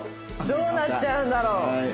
どうなっちゃうんだろう？